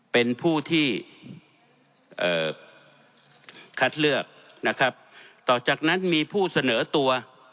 เป็นผู้ที่คัดเลือกนะครับต่อจากนั้นมีผู้เสนอตัว